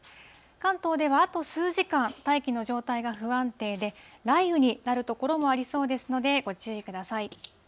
関東ではあと数時間、大気の状態が不安定で、雷雨になる所もありそうですので、ご注意ください。